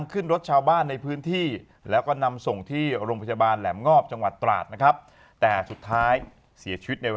อ๋ออคนดูเขารู้เรื่องอันเกิน